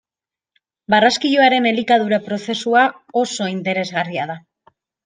Barraskiloaren elikadura prozesua oso interesgarria da.